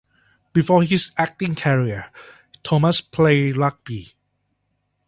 Before his acting career, Thomas played rugby.